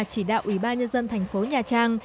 chỉ đạo ủy ban nhân dân thành phố nha trang